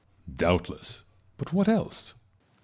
Doubtless ; but what else ?